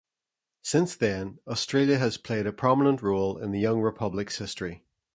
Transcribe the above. Since then, Australia has played a prominent role in the young republic's history.